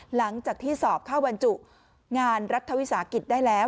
หลังจากที่สอบเข้าบรรจุงานรัฐวิสาหกิจได้แล้ว